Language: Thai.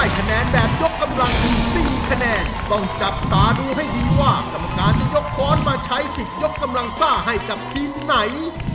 ต้องจับตาดูให้ดีว่ากรรมการจะยกค้อนมาใช้สิทธิ์ยกกำลังสร้างให้กับทีไหน